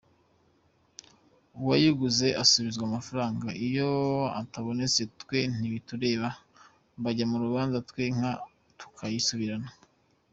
Uwayiguze asubizwa amafaranga iyo atabonetse twe ntibitureba bajya mu rubanza twe inka tukayisubirana.